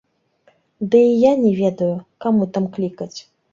Ды і я не ведаю, каму там клікаць.